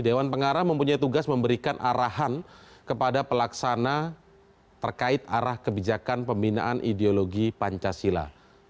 dewan pengarah mempunyai tugas memberikan arahan kepada pelaksana terkait arah kebijakan pembinaan ideologi pancasila